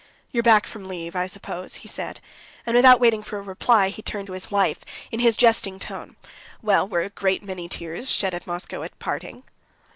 "You're back from leave, I suppose?" he said, and without waiting for a reply, he turned to his wife in his jesting tone: "Well, were a great many tears shed at Moscow at parting?"